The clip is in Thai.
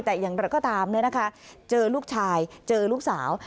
แต่อย่างไรก็ตามเนี่ยนะคะเจอลูกชายเจอลูกสาว